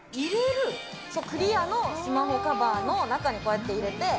そう、クリアのスマホカバーの中にこうやって入れて。